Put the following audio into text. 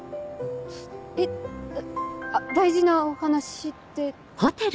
えっあっ大事なお話って。